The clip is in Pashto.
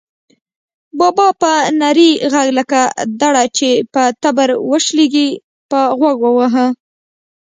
بابا په نري غږ لکه دړه چې په تبر وشلېږي، په غوږ وواهه.